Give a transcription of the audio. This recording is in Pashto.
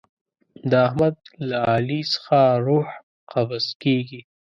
د احمد له علي څخه روح قبض کېږي.